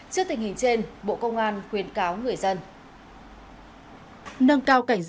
trước tình hình trên bộ công an khuyến cáo người dân